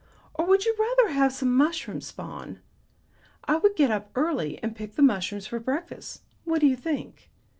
Or would you rather have some mushroom spawn? I would get up early and pick the mushrooms for breakfast. What do you think?"